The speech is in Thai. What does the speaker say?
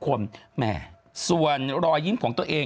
แต่อยากให้คิดถึงรอยยิ้มของคนไทยทุกคน